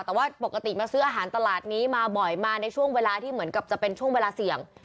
แต่ว่าปกติมาซื้ออาหารตลาดนี้มาบ่อยมาในช่วงเวลาที่เหมือนกับจะเป็นช่วงเวลาเสี่ยง